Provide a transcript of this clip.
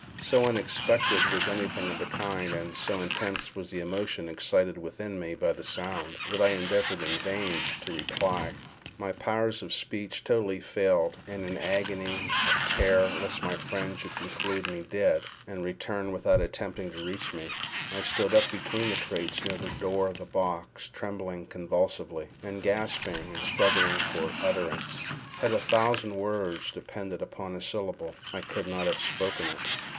So unexpected was anything of the kind, and so intense was the emotion excited within me by the sound, that I endeavoured in vain to reply. My powers of speech totally failed, and in an agony of terror lest my friend should conclude me dead, and return without attempting to reach me, I stood up between the crates near the door of the box, trembling convulsively, and gasping and struggling for utterance. Had a thousand words depended upon a syllable, I could not have spoken it.